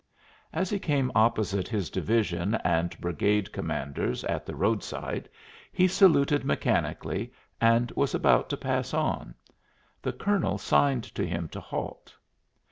As he came opposite his division and brigade commanders at the road side he saluted mechanically and was about to pass on. The colonel signed to him to halt.